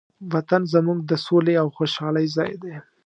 وطن زموږ د سولې او خوشحالۍ ځای دی.